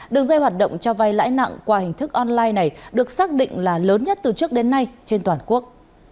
đường dây hoạt động cho vay lãi nặng qua hình thức online này được xác định là lớn nhất từ trước đến nay trên toàn quốc